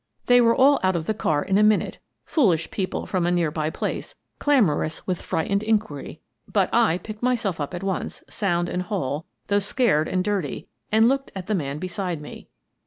They were all out of the car in a minute — fool ish people from a near by place — clamorous with frightened inquiry. But I picked myself up at once, sound and whole, though scared and dirty, and looked at the man beside me.